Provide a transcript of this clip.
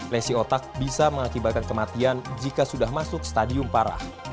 lesi otak bisa mengakibatkan kematian jika sudah masuk stadium parah